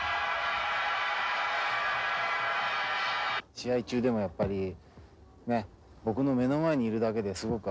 試合中でもやっぱり僕の目の前にいるだけですごく安心できるんですよね。